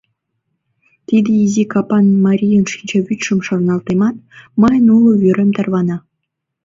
Тиде изи капан марийын шинчавӱдшым шарналтемат, мыйын уло вӱрем тарвана...